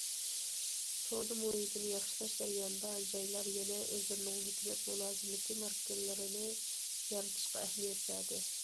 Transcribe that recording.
« سودا مۇھىتىنى ياخشىلاش» جەريانىدا، جايلار يەنە ئۆزلىرىنىڭ ھۆكۈمەت مۇلازىمىتى ماركىلىرىنى يارىتىشقا ئەھمىيەت بەردى.